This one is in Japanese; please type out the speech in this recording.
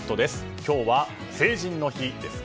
今日は成人の日ですね。